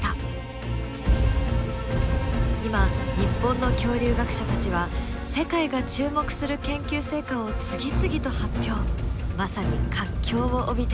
今日本の恐竜学者たちは世界が注目する研究成果を次々と発表まさに活況を帯びています。